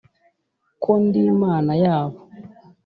ko ndi Imana yabo